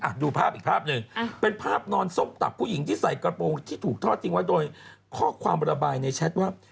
ดูภาพอีกภาพหนึ่งเป็นภาพนอนซบตับผู้หญิงที่ใส่กระโปรงที่ถูกทอดทิ้งไว้โดยข้อความระบายในแชทว่า